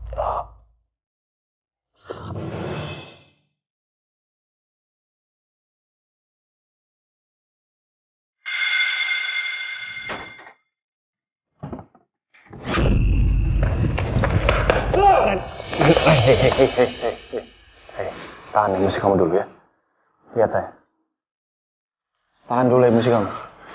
hei hei hei tahan emosi kamu dulu ya lihat saya tahan dulu emosi kamu